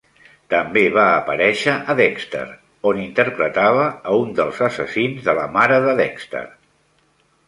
També va aparèixer a "Dexter", on interpretava a un dels assassins de la mare de Dexter.